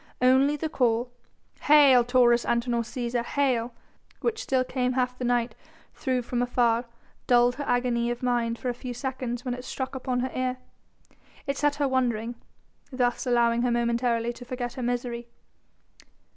Only the call, "Hail Taurus Antinor Cæsar! Hail!" which still came half the night through from afar dulled her agony of mind for a few seconds when it struck upon her ear. It set her wondering, thus allowing her momentarily to forget her misery.